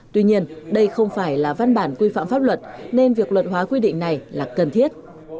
tuy nhiên đây không phải là văn bản quy phạm pháp luật nên việc luật hóa quy định này là cần thiết